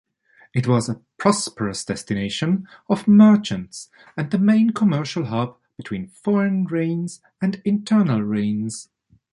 It was a prosperous destination of merchants and the main commercial hub between foreign reigns and internal reigns.